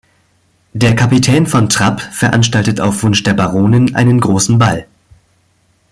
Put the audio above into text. Der Kapitän von Trapp veranstaltet auf Wunsch der Baronin einen großen Ball.